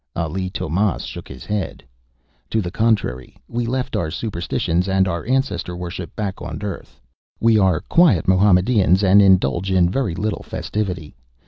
Ali Tomás shook his head. "To the contrary. We left our superstitions and ancestor worship back on Earth. We are quiet Mohammedans and indulge in very little festivity.